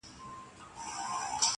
پر ورکه لار ملګري سول روان څه به کوو؟-